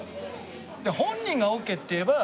本人がオッケーって言えば。